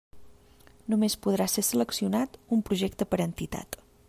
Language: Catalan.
Només podrà ser seleccionat un projecte per entitat.